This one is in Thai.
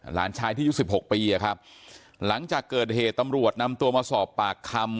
หลานชายที่ยุค๑๖ปีหลังจากเกิดเหตุตำรวจนำตัวมาสอบปากคำ